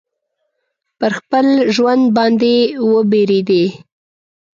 پر خپل ژوند باندي وبېرېدی.